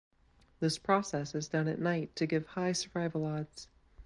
This process is done at night to give high survival odds.